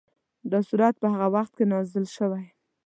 دا سورت په هغه وخت کې نازل شوی.